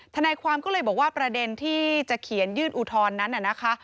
ทนายความก็เลยบอกว่าประเด็นที่จะเขียนยื่นอุทธรณ์นั้นน่ะนะคะ